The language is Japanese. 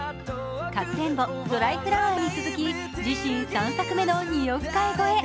「かくれんぼ」「ドライフラワー」に続き自身３作目の２億回超え。